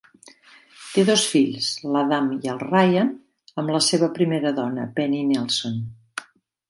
Té dos fills, l'Adam i el Ryan, amb la seva primera dona, Penny Nelson.